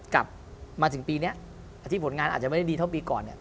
กลับมาถึงปีนี้ที่ผลงานอาจจะไม่ได้ดีเท่าปีก่อนเนี่ย